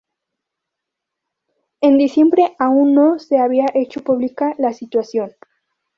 en diciembre aún no se había hecho pública la situación